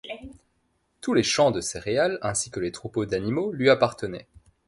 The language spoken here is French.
Tous les champs de céréales, ainsi que les troupeaux d'animaux, lui appartenaient.